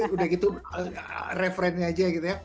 udah gitu referennya aja